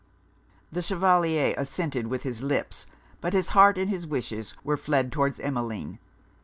' The Chevalier assented with his lips; but his heart and his wishes were fled towards Emmeline.